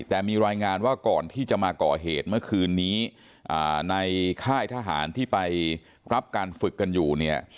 แต่มีรายงานว่าก่อนที่จะมาก่อเหตุเมื่อคืนนี้ในค่ายทหารที่ไปรับการฝึกกันอยู่เนี่ย